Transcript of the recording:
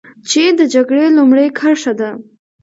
چې د جګړې لومړۍ کرښه ده.